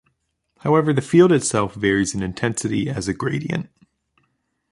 However, the field itself varies in intensity as a gradient.